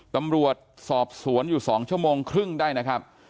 ตำรวจสอบสวนอยู่๒ชั่วโมงครึ่งได้นะครับ